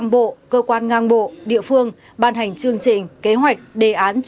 một trăm linh bộ cơ quan ngang bộ địa phương ban hành chương trình kế hoạch đề án